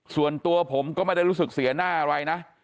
ส่วนตัวผมก็ไม่ได้รู้สึกเสียหน้าอะไรนะ